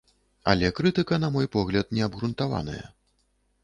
Але крытыка, на мой погляд, не абгрунтаваная.